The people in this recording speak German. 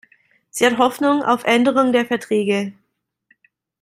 Sie hat Hoffnung auf Änderung der Verträge.